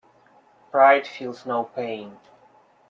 Pride feels no pain.